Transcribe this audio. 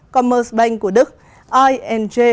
commerce bank của đức inj